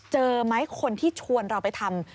เจอไหมคนที่ชวนเราไปทำ